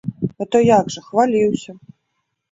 А то як жа, хваліўся.